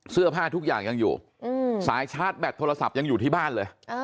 ทุกอย่างยังอยู่สายชาร์จแบตโทรศัพท์ยังอยู่ที่บ้านเลย